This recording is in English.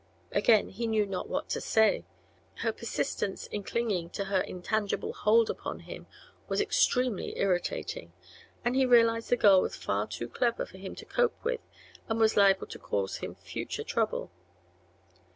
Again he knew not what to say. Her persistence in clinging to her intangible hold upon him was extremely irritating, and he realized the girl was far too clever for him to cope with and was liable to cause him future trouble.